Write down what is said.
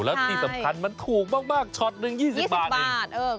แล้วที่สำคัญมันถูกมากช็อตหนึ่ง๒๐บาท